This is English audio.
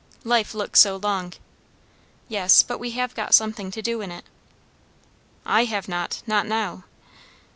"Life looks so long!" "Yes. But we have got something to do in it." "I have not. Not now."